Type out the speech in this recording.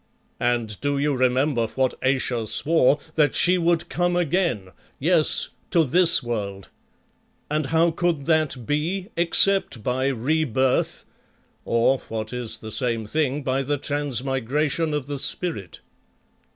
And do you remember what Ayesha swore, that she would come again yes, to this world; and how could that be except by re birth, or, what is the same thing, by the transmigration of the spirit?"